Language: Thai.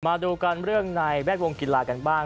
มาดูกันเรื่องในแวดวงกีฬากันบ้าง